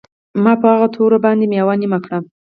ما په هغه توره باندې میوه نیمه کړه